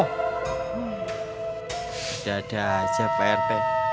tidak ada aja pak arte